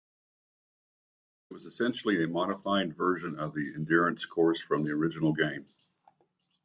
It was essentially a modified version of the Endurance Course from the original game.